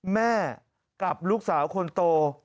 แม่กับลูกสาวคนโต